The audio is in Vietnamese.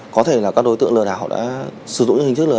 có thể là các đối tượng lừa đảo đã sử dụng những hình thức lừa đảo